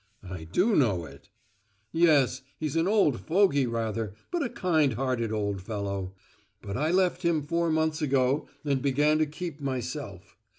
"I do know it!" "Yes, he's an old fogey rather, but a kind hearted old fellow; but I left him four months ago and began to keep myself.